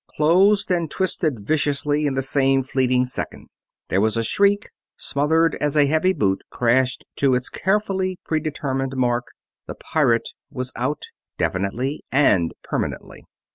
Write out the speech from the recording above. Closed and twisted viciously, in the same fleeting instant. There was a shriek, smothered as a heavy boot crashed to its carefully predetermined mark the pirate was out, definitely and permanently.